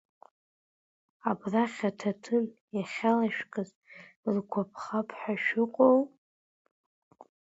Абрахь аҭаҭын иахьалашәкыз ргәаԥхап ҳәа шәыҟоу?